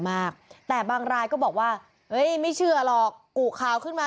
มากแต่บางรายก็บอกว่าเฮ้ยไม่เชื่อหรอกกุข่าวขึ้นมา